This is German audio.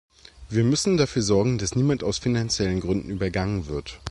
Wir müssen dafür sorgen, dass niemand aus finanziellen Gründen übergangen wird.